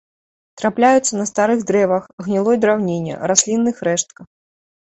Трапляюцца на старых дрэвах, гнілой драўніне, раслінных рэштках.